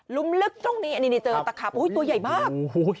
ลุมลึกตรงนี้อันนี้เจอตะขาบอุ้ยตัวใหญ่มาก